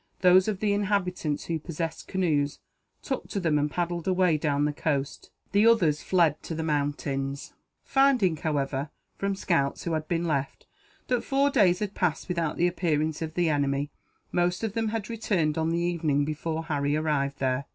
Those of the inhabitants who possessed canoes, took to them and paddled away down the coast. The others fled to the mountains. Finding, however, from scouts who had been left, that four days had passed without the appearance of the enemy, most of them had returned, on the evening before Harry arrived there.